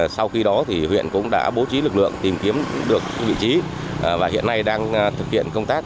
sau khi đó huyện cũng đã bố trí lực lượng tìm kiếm được vị trí và hiện nay đang thực hiện công tác